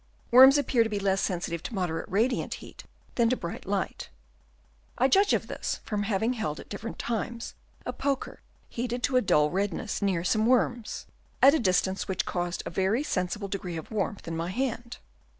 Worms appear to be less sensitive to moderate radiant heat than to a bright light. I judge of this from having held at different 26 HABITS OF WOEMS. Chap. I. times a poker heated to dull redness near some worms, at a distance which caused a very sensible degree of warmth in my hand.